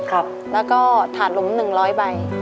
แล้วก็ถาดหลุม๑๐๐ใบ